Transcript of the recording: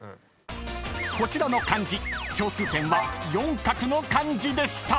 ［こちらの漢字共通点は４画の漢字でした］